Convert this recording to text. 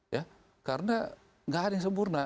ya karena nggak ada yang sempurna